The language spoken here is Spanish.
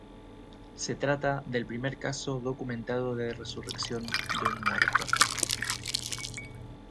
Se trata del primer caso documentado de resurrección de un muerto.